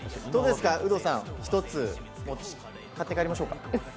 どうですか、有働さん１つ買って帰りましょうか？